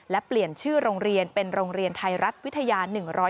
และเปลี่ยนชื่อโรงเรียนเป็นโรงเรียนไทยรัฐวิทยา๑๐